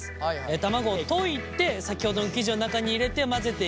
卵を溶いて先ほどの生地の中に入れて混ぜていきます。